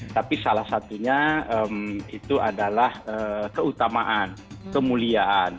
tapi salah satunya itu adalah keutamaan kemuliaan